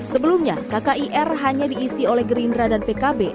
sebelumnya kkir hanya diisi oleh gerindra dan pkb